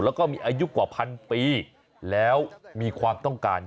แล้วก็มีอายุกว่าพันปีแล้วมีความต้องการ